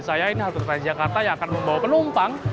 stasiun tempat jakarta yang akan membawa penumpang